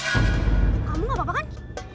kamu gak apa apa kan